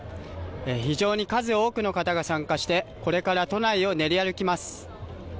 非常に数多くの方が参加して、これから都内を練り歩きます。